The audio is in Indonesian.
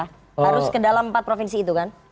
harus ke dalam empat provinsi itu kan